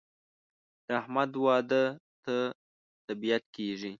د احمد واده ته طبیعت کېږي.